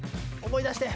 思い出して！